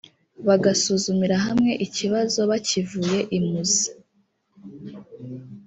bagasuzumira hamwe ikibazo bakivuye imuzi